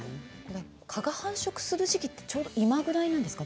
蚊が繁殖する時期って今ぐらいなんですか。